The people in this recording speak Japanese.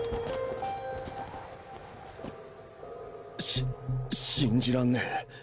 し信じらんねえ。